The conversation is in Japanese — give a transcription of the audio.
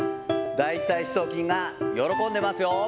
大たい四頭筋が喜んでますよ。